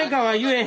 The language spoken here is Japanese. はい。